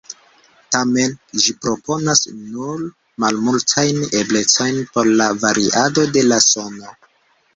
Tamen ĝi proponas nur malmultajn eblecojn por la variado de la sono.